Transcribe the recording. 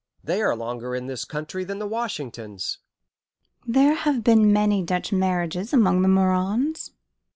They are longer in this country than the Washingtons." "There have been many Dutch marriages among the Morans."